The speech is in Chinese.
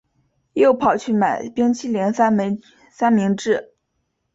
又跑去买冰淇淋三明治